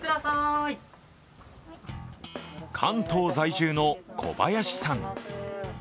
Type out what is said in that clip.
関東在住の小林さん。